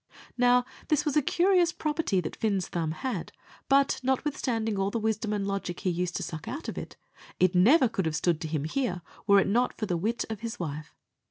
Now, this was a curious property that Fin's thumb had; but, notwithstanding all the wisdom and logic he used, to suck out of it, it could never have stood to him here were it not for the wit of his wife.